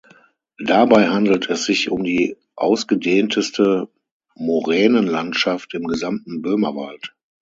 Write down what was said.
Dabei handelt es sich um die ausgedehnteste Moränenlandschaft im gesamten Böhmerwald.